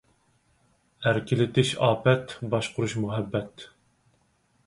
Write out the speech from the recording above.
ئەركىلىتىش ئاپەت، باشقۇرۇش مۇھەببەت.